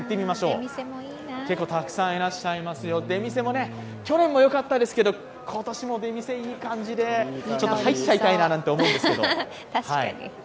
たくさんいらっしゃいますよ、出店も去年もよかったですけれども、今年も出店、いい感じで、ちょっと入っちゃいたいななんて思うんですけど。